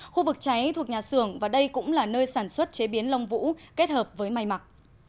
khu vực cháy thuộc nhà xưởng và đây cũng là nơi sản xuất chế biến lông vũ kết hợp với may mặc